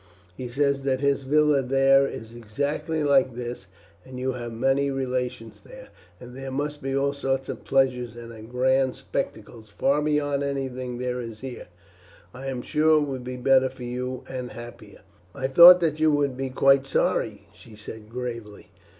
He says that his villa there is exactly like this, and you have many relations there, and there must be all sorts of pleasures and grand spectacles far beyond anything there is here. I am sure it would be better for you, and happier." "I thought that you would be quite sorry," she said gravely.